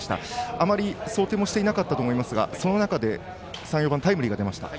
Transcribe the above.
あまり想定もしていなかったと思いますがその中で、タイムリーも出ました。